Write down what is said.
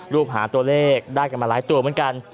หาตัวเลขได้กันมาหลายตัวเหมือนกัน